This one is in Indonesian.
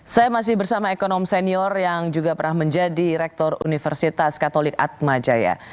saya masih bersama ekonom senior yang juga pernah menjadi rektor universitas katolik atmajaya